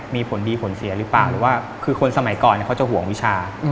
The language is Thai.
มีผลดีผลเสียหรือเปล่าหรือว่าคือคนสมัยก่อนเขาจะห่วงวิชา